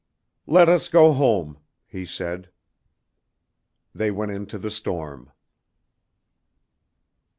"Let us go home," he said. They went into the storm.